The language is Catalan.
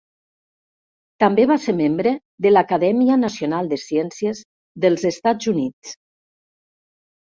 També va ser membre de l'Acadèmia Nacional de Ciències dels Estats Units.